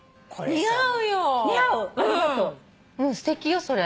すてきよそれ。